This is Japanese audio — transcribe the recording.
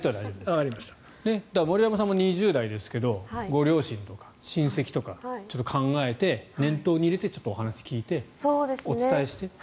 森山さんも２０代ですがご両親とか親戚とか考えて念頭に入れてお話を聞いてお伝えして。